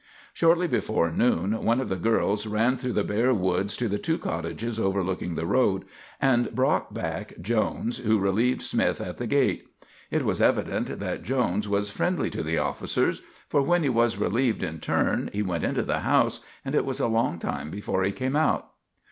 Shortly before noon one of the girls ran through the bare woods to the two cottages overlooking the road, and brought back Jones, who relieved Smith at the gate. It was evident that Jones was friendly to the officers, for when he was relieved in turn he went into the house, and it was a long time before he came out.